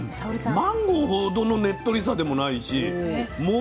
マンゴーほどのねっとりさでもないし桃